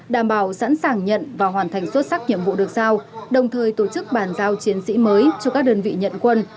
đảm bảo sẵn sàng nhận và hoàn thành xuất sắc nhiệm vụ được sao đồng thời tổ chức bàn giao chiến sĩ mới cho các đơn vị nhận quân